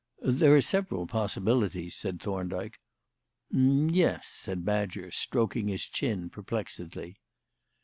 "There are several possibilities," said Thorndyke. "M'yes," said Badger, stroking his chin perplexedly.